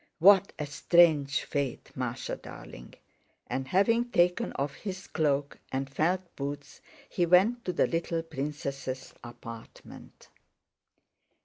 "What a strange fate, Másha darling!" And having taken off his cloak and felt boots, he went to the little princess' apartment.